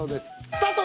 スタート！